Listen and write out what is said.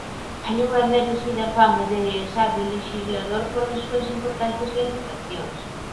Gañou a merecida fama de sabio lexislador polas súas importantes realizacións.